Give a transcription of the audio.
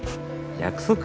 約束？